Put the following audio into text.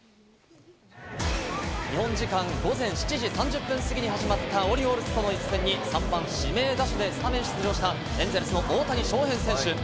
日本時間午前７時３０分過ぎに始まったオリオールズとの一戦に３番・指名打者でスタメン出場したエンゼルスの大谷翔平選手。